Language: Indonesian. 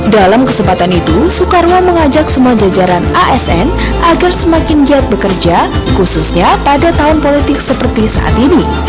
dalam kesempatan itu soekarwo mengajak semua jajaran asn agar semakin giat bekerja khususnya pada tahun politik seperti saat ini